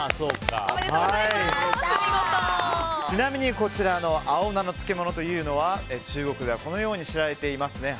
ちなみに青菜の漬物というのは中国ではこのように知られています。